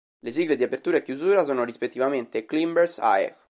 Le sigle di apertura e chiusura sono rispettivamente "Climber's High!